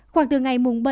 khoảng từ ngày mùng bảy